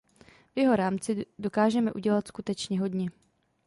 V jeho rámci dokážeme udělat skutečně hodně.